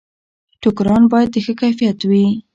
ټوکران باید د ښه کیفیت وي.